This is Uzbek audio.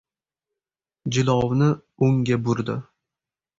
Jilovni o‘ngga burdi.